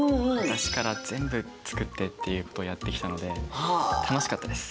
だしから全部作ってっていうことをやってきたので楽しかったです。